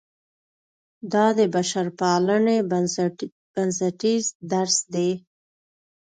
دا د بشرپالنې بنسټیز درس دی.